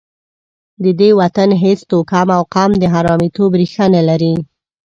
د دې وطن هېڅ توکم او قوم د حرامیتوب ریښه نه لري.